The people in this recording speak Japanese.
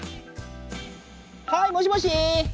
はいもしもし？